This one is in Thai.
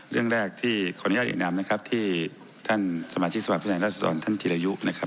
เรื่องแรกที่ขออนุญาตอีกน้ำนะครับที่ท่านสมาชิกสวัสดิ์ท่านท่านทิรยุนะครับ